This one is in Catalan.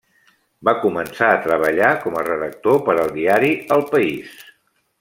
Va començar a treballar com a redactor per al diari El País.